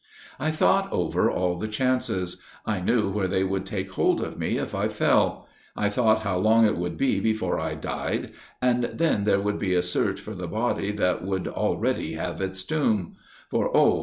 "I thought over all the chances; I knew where they would take hold of me, if I fell; I thought how long it would be before I died; and then there would be a search for the body that would already have its tomb! for, oh!